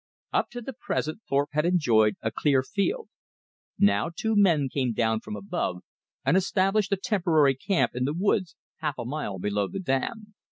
Up to the present Thorpe had enjoyed a clear field. Now two men came down from above and established a temporary camp in the woods half a mile below the dam.